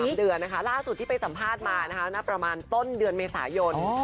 อีก๒๓เดือนล่าสุดที่ไปสัมภาษณ์มาประมาณต้นเดือนเมษายน